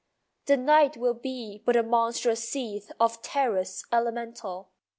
The night will be but a monstrous seethe Of terrors elemental.